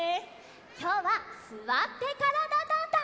きょうは「すわってからだ☆ダンダン」。